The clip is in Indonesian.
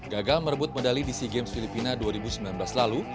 gagal merebut medali di sea games filipina dua ribu sembilan belas lalu